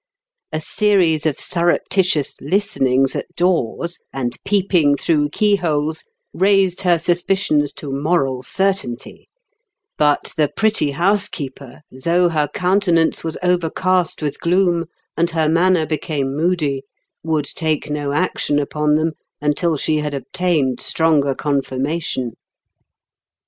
. A series of surreptitious listenings at doors and peeping through keyholes raised her suspicions to moral certainty ; but the pretty housekeeper, though her countenance was over cast with gloom, and her manner became moody, would take no action upon them until ITELL COOK'S REVENGE, 163 she had obtained stronger confirmation.